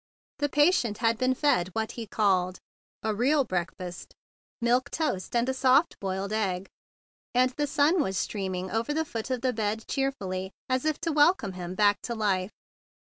The patient had been fed what he called "a real breakfast," milk toast and a soft boiled egg, and the sun was streaming over the foot of the bed gayly as if to welcome him back to life.